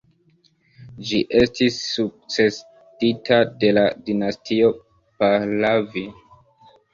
Ĝi estis sukcedita de la dinastio Pahlavi.